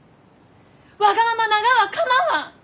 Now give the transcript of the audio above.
わがままながは構わん！